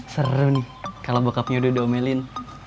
seru nih kalau bokapnya udah diomelin